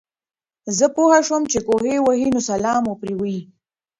زۀ پوهه شوم چې کوهے وهي نو سلام مو پرې ووې